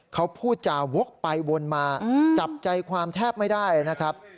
เขาพูดจาวกไปวนมาจับใจความแทบไม่ได้นะครับ